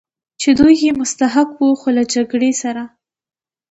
چې دوی یې مستحق و، خو له جګړې سره.